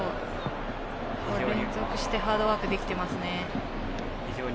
非常に連続してハードワークしていますね。